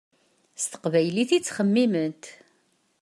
S teqbaylit i ttxemmiment.